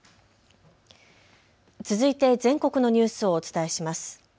続いて全国のニュースをお伝えします。